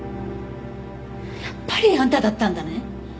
やっぱりあんただったんだね。